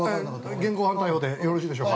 ◆現行犯逮捕でよろしいでしょうか。